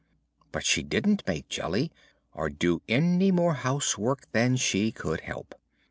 But she didn't make jelly, or do any more of the housework than she could help.